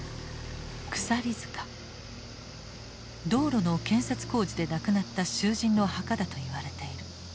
道路の建設工事で亡くなった囚人の墓だといわれている。